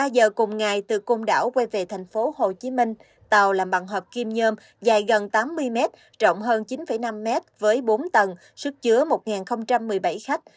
một mươi giờ cùng ngày từ côn đảo quay về tp hcm tàu làm bằng hợp kim nhơm dài gần tám mươi mét rộng hơn chín năm mét với bốn tầng sức chứa một một mươi bảy khách